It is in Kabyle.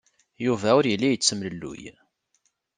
Yuba ur yelli yettemlelluy.